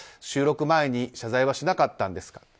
収録前に謝罪はしなかったんですか。